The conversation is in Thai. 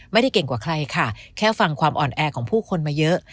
ไม่ได้เก่งกว่าใครค่ะแค่ฟังความอ่อนแอของผู้คนมาเยอะ